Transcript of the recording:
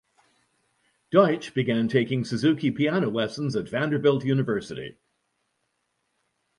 Deutsch began taking Suzuki piano lessons at Vanderbilt University.